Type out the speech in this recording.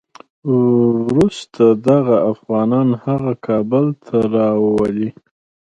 وروسته دغه افغانان هغه کابل ته راولي.